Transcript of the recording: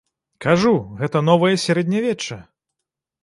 Кажу, гэта новае сярэднявечча.